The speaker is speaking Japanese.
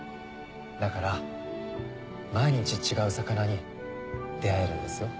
だから毎日違う魚に出合えるんですよ。